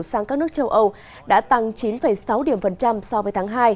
sang các nước châu âu đã tăng chín sáu điểm phần trăm so với tháng hai